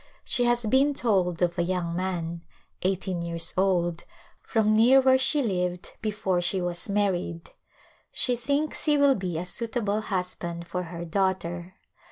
She has been told of a young man, eighteen years old, from near where she lived before she was married. She thinks he will be a suitable husband for her daughter.